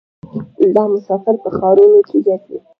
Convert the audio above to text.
دا مسافر په ښارونو کې ګرځي.